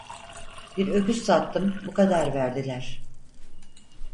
Bir öküz sattım, bu kadar verdiler.